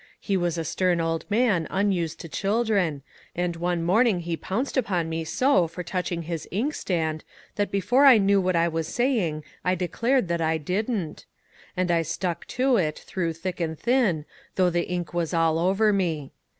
He was a stern old man unused to children, and one morning he pounced upon me so for touch ing his ink stand that before I knew what I was saying, I declared that I didn't. And I stuck to it, through thick and thin, though the ink was all over me.